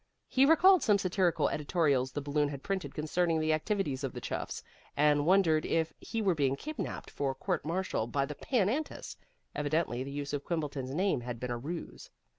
He recalled some satirical editorials the Balloon had printed concerning the activities of the Chuffs, and wondered if he were being kidnaped for court martial by the Pan Antis. Evidently the use of Quimbleton's name had been a ruse.